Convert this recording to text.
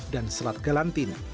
dan slat galantin